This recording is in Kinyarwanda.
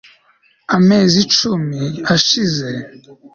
amezi icumi ashize